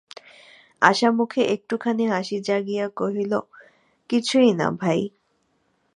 আশা মুখে একটুখানি হাসি জাগাইয়া কহিল, কিছুই না, ভাই।